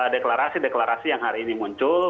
deklarasi deklarasi yang hari ini muncul